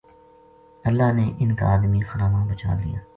اللہ نے اِنھ کا ادمی خراما بچا لیا